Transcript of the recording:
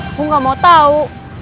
aku nggak mau tahu